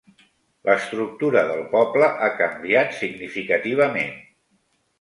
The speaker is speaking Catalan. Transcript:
L'estructura del poble ha canviat significativament.